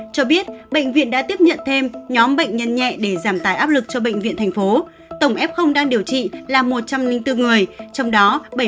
cho biết bệnh viện đã tiếp nhận thêm nhóm bệnh nhân nhẹ để giảm tài áp lực cho bệnh viện thành phố